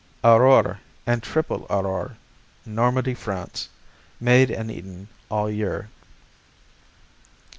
Aurore and Triple Aurore Normandy, France Made and eaten all year.